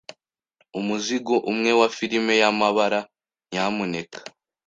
Umuzingo umwe wa firime yamabara, nyamuneka.